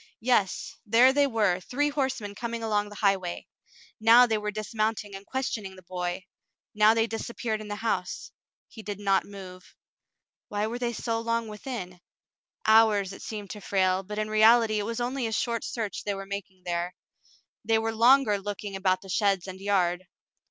Yes, there they were, three horsemen coming along the highway. Now they were dismounting and questioning the boy. Now they disappeared in the house. He did not move. Why were they so long within ? Hours, it seemed to Frale, but in reality it was only a short search they were making there. They were longer looking about the sheds and yard.